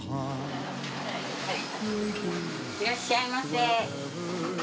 いらっしゃいませ。